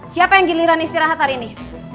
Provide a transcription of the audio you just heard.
siapa yang giliran istirahat hari ini